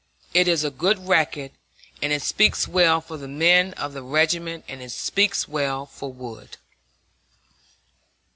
It is a good record, and it speaks well for the men of the regiment; and it speaks well for Wood.